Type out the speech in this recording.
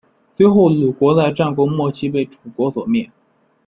最后鲁国在战国末期被楚国所灭。